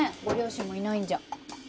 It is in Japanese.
ご両親もいないんじゃ。